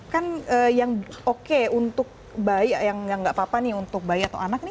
kan yang oke untuk bayi yang nggak apa apa nih untuk bayi atau anak nih pakai makanan